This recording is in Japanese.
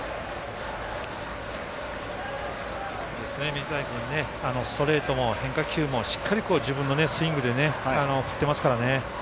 水谷君ストレートも変化球もしっかり自分のスイングで振ってますからね。